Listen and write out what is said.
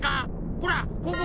ほらここ。